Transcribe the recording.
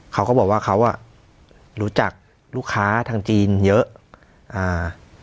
เขาก็บอกว่าเขาอ่ะรู้จักลูกค้าทางจีนเยอะอ่า